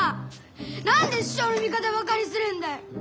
何で師匠の味方ばかりするんだよ！